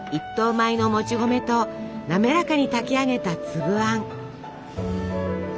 米のもち米となめらかに炊き上げた粒あん。